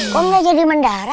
kok nggak jadi bandara